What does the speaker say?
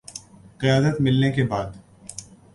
قیادت ملنے کے بعد